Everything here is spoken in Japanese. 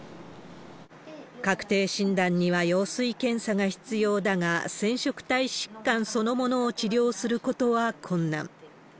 確定診断には羊水検査が必要だが、染色体疾患そのものを治療することは困難。